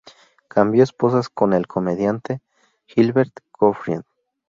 Cambió esposas con el comediante Gilbert Gottfried.